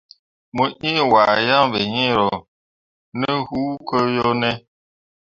Mo ĩĩ wahe yaŋ be iŋ ro ne hũũ ko yo ne ?